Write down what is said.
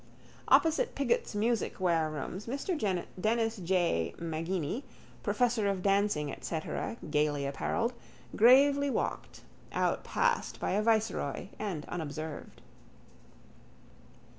Opposite Pigott's music warerooms Mr Denis J Maginni, professor of dancing &c, gaily apparelled, gravely walked, outpassed by a viceroy and unobserved.